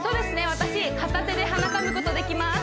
私片手で鼻かむことできます